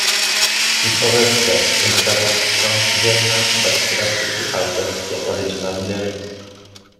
He covered the Ultravox song "Vienna", but drastically altered the original lyrics.